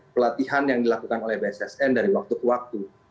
pelatihan yang dilakukan oleh bssn dari waktu ke waktu